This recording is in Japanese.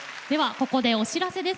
ここでお知らせです。